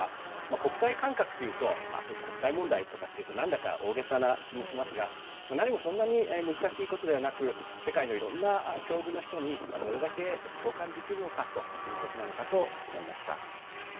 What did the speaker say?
国際感覚国際問題とかっていうとなんだか大げさですが何もそんなに難しいことではなく世界のいろんな境遇の人にどれだけ共感できるのかということなのかなと思いました。